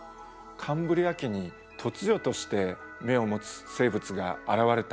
カンブリア紀に突如として眼を持つ生物が現れたんです。